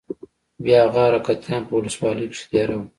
بيا هماغه حرکتيان په ولسوالۍ کښې دېره وو.